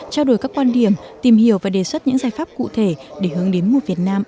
trao đổi các quan điểm tìm hiểu và đề xuất những giải pháp cụ thể để hướng đến một việt nam